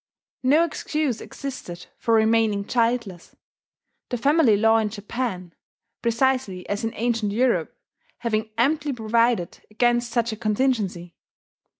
No excuse existed for remaining childless: the family law in Japan, precisely as in ancient Europe, having amply provided against such a contingency.